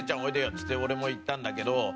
っつって俺も行ったんだけど。